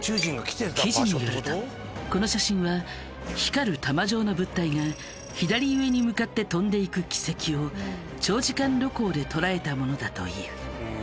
記事によるとこの写真は光る玉状の物体が左上に向かって飛んでいく軌跡を長時間露光で捉えたものだという。